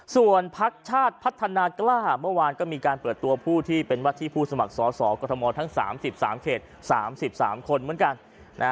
ส่วนพักชาติพัฒนากล้าเมื่อวานก็มีการเปิดตัวผู้ที่เป็นว่าที่ผู้สมัครสอสอกรทมทั้ง๓๓เขต๓๓คนเหมือนกัน